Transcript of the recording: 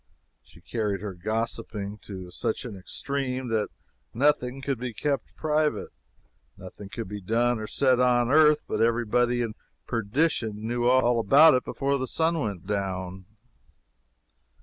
She carried her gossiping to such an extreme that nothing could be kept private nothing could be done or said on earth but every body in perdition knew all about it before the sun went down.